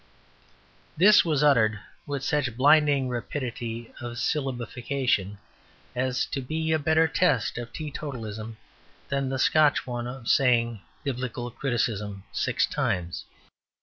This was uttered with such blinding rapidity of syllabification as to be a better test of teetotalism than the Scotch one of saying "Biblical criticism" six times.